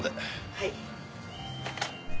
はい。